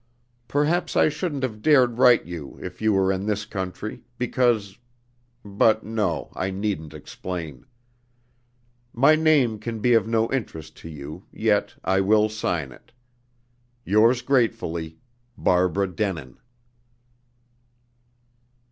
Perhaps I shouldn't have dared write you if you were in this country, because but no, I needn't explain. "My name can be of no interest to you, yet I will sign it. "Yours gratefully, Barbara Denin."